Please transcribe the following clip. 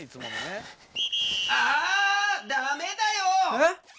えっ！？